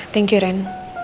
thank you ren